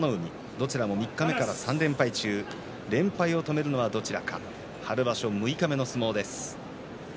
どちらも三日目から３連敗中で連敗を止めるのはどちらか春場所六日目の相撲です。